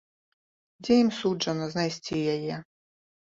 Дзе ім суджана знайсці яе?